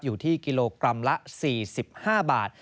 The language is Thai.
อยู่ที่กิโลกรัมละ๔๕บาท